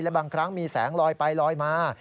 บางครั้งมีแสงลอยไปลอยมา